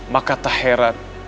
maka tak heran